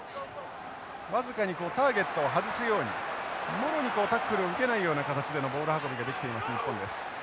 僅かにこうターゲットを外すようにもろにこうタックルを受けないような形でのボール運びができています日本です。